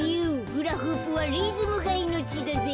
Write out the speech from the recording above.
フラフープはリズムがいのちだぜ。